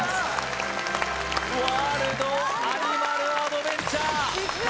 ワールドアニマルアドベンチャー！